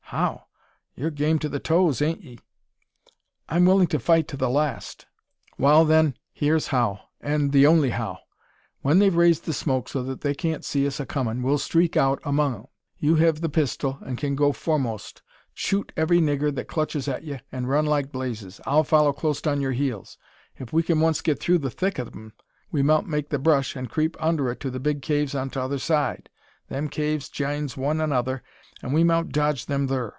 "How? Yur game to the toes, ain't 'ee?" "I am willing to fight to the last." "Wal, than, hyur's how, an' the only how: when they've raised the smoke so that they can't see us a comin', we'll streak it out among 'em. You hev the pistol, an' kin go fo'most. Shoot every niggur that clutches at ye, an' run like blazes! I'll foller clost on yur heels. If we kin oncest git through the thick o' 'em, we mout make the brush, an' creep under it to the big caves on t'other side. Them caves jines one another, an' we mout dodge them thur.